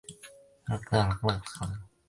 叶茂菁亦是电影电视剧制片人和投资人。